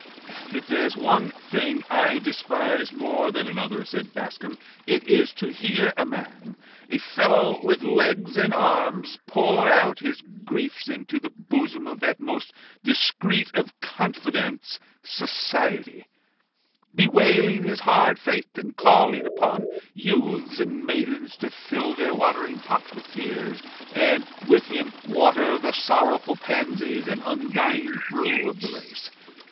"If there is one thing I despise more than another," said Bascombe, "it is to hear a man, a fellow with legs and arms, pour out his griefs into the bosom of that most discreet of confidantes, Society, bewailing his hard fate, and calling upon youths and maidens to fill their watering pots with tears, and with him water the sorrowful pansies and undying rue of the race.